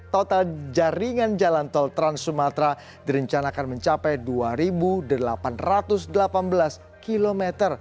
total jaringan jalan tol trans sumatera direncanakan mencapai dua delapan ratus delapan belas km